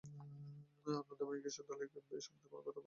আনন্দময়ী কৃষ্ণদয়ালকে এ সম্বন্ধে কোনো কথা বলা অনাবশ্যক বোধ করিলেন।